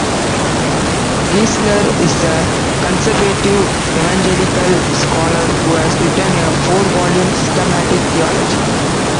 Geisler is a conservative evangelical scholar who has written a four-volume systematic theology.